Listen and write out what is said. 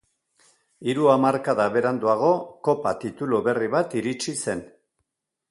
Hiru hamarkada beranduago kopa titulu berri bat iritsi zen.